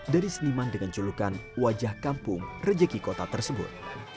dari seniman dengan culukan wajah kampung rezeki kota tersebut